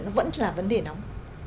nó vẫn là vấn đề nóng